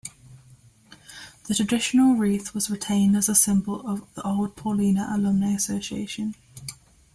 The traditional wreath was retained as the symbol of the Old Paulina Alumnae Association.